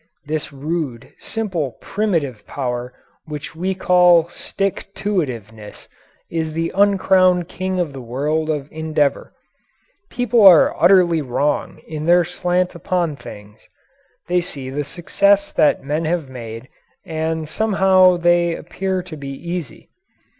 This rude, simple, primitive power which we call "stick to it iveness" is the uncrowned king of the world of endeavour. People are utterly wrong in their slant upon things. They see the successes that men have made and somehow they appear to be easy.